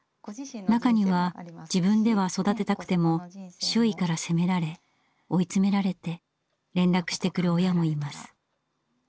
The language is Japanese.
中には自分では育てたくても周囲から責められ追い詰められて連絡してくる親もいます。